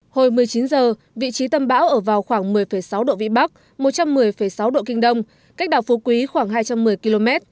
hồi một mươi chín h vị trí tâm bão ở vào khoảng một mươi sáu độ vĩ bắc một trăm một mươi sáu độ kinh đông cách đảo phú quý khoảng hai trăm một mươi km